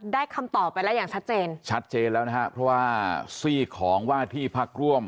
คำตอบไปแล้วอย่างชัดเจนชัดเจนแล้วนะฮะเพราะว่าซีกของว่าที่พักร่วม